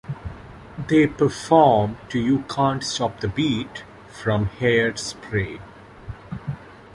They performed to "You Can't Stop the Beat" from "Hairspray".